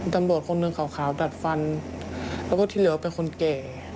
ตำรวจคนหนึ่งขาวดัดฟันแล้วก็ที่เหลือเป็นคนแก่